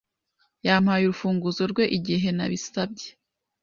yampaye urufunguzo rwe igihe nabisabye.